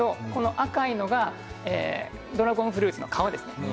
赤いのがドラゴンフルーツの皮です。